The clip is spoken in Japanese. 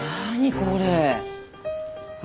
これ。